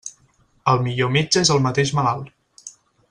El millor metge és el mateix malalt.